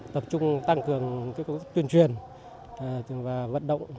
tập trung tăng cường cơ cơ tuyên truyền và vận động